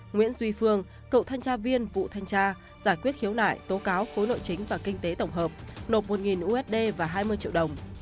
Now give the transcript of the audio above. nguyễn duy phương cựu thanh tra viên vụ thanh tra giải quyết khiếu nại tố cáo khối nội chính và kinh tế tổng hợp nộp một usd và hai mươi triệu đồng